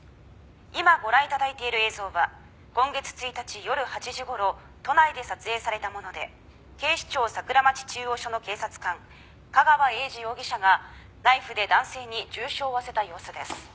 「今ご覧頂いている映像は今月１日夜８時頃都内で撮影されたもので警視庁桜町中央署の警察官架川英児容疑者がナイフで男性に重傷を負わせた様子です」